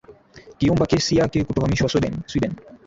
kiomba kesi yake kutohamishiwa sweden